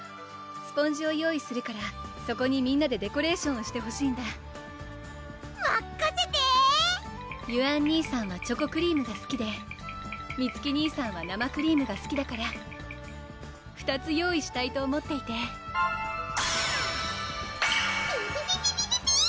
スポンジを用意するからそこにみんなでデコレーションをしてほしいんだまっかせてゆあん兄さんはチョコクリームがすきでみつき兄さんは生クリームがすきだから２つ用意したいと思っていてピピピピピピピー！